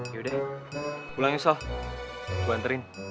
yaudah pulang yuk sal gue anterin